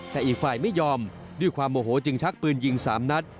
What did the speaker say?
แต่อีกฝ่ายไม่ยอมด้วยความโมโหจึงชักปืนยิง๓นัด